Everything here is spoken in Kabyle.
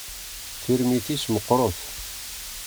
Tirmit-is meqqert.